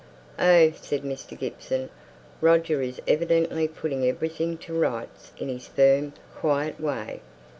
"Oh!" said Mr. Gibson, "Roger is evidently putting everything to rights in his firm, quiet way."